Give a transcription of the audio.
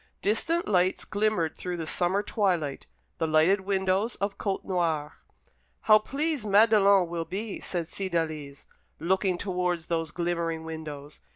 Distant lights glimmered through the summer twilight, the lighted windows of Côtenoir. "How pleased Madelon will be," said Cydalise, looking towards those glimmering windows.